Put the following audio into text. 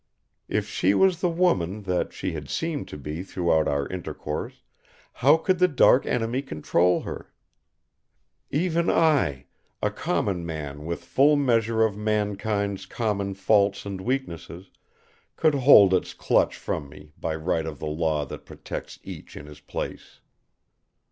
If she was the woman that she had seemed to be throughout our intercourse, how could the dark enemy control her? Even I, a common man with full measure of mankind's common faults and weaknesses, could hold Its clutch from me by right of the law that protects each in his place.